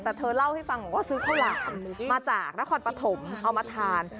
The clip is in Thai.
แต่เธอเล่าให้ฟังบอกว่าซื้อข้าวหลามมาจากนครปฐมเอามาทาน